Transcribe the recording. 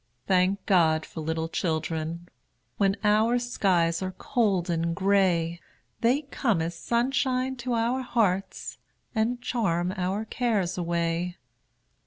Thank God for little children! When our skies are cold and gray, They come as sunshine to our hearts, And charm our cares away.